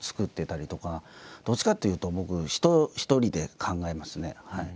どっちかっていうと僕一人で考えますね。